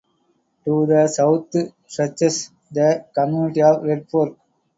To the south stretches the community of Red Fork.